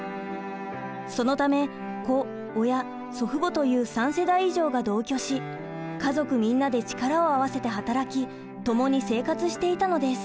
そのため子親祖父母という３世代以上が同居し家族みんなで力を合わせて働き共に生活していたのです。